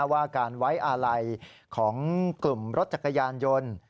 ว่าการไว้อาลัยของกลุ่มรถจักรยานยนต์